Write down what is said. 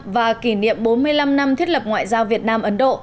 và kỷ niệm bốn mươi năm năm thiết lập ngoại giao việt nam ấn độ